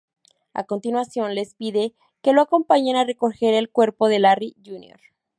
A continuación, les pide que lo acompañen a recoger el cuerpo de Larry Jr.